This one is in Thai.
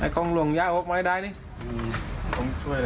ช่วยแล้ว